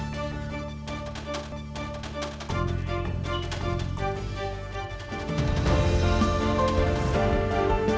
terima kasih pak